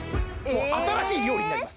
もう新しい料理になります